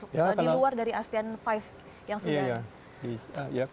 di luar dari asean lima yang sudah di